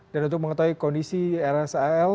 dan untuk mengetahui kondisi rsal